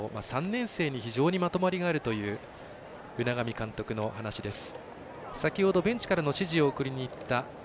３年生に非常にまとまりがあるという海上監督の話です。